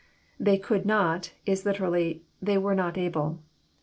They could not, Is literally, " they were not able.'